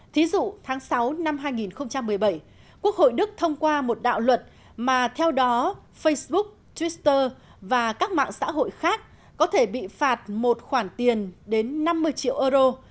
thí dụ tháng sáu năm hai nghìn một mươi bảy quốc hội đức thông qua một đạo luật mà theo đó facebook twitter và các mạng xã hội khác có thể bị phạt một khoản tiền đến năm mươi triệu euro